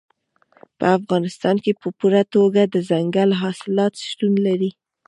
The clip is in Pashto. په افغانستان کې په پوره توګه دځنګل حاصلات شتون لري.